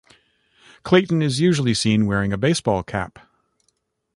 Clayton is usually seen wearing a baseball cap.